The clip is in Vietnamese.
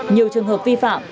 nhiều trường hợp vi phạm